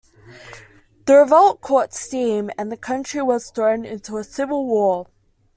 The revolt caught steam and the country was thrown into a civil war.